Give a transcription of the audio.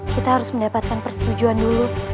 kita harus mendapatkan persetujuan dulu